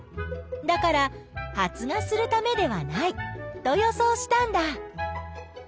だから発芽するためではないと予想したんだ。